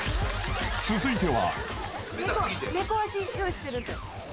［続いては］